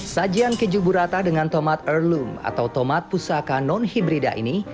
sajian keju burata dengan tomat erlum atau tomat pusaka non hibrida ini